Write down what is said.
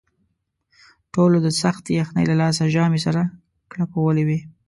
ټولو د سختې یخنۍ له لاسه ژامې سره کړپولې وې.